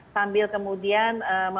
sambil kemudian memanfaatkan